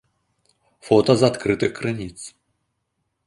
Фота з адкрытых крыніц.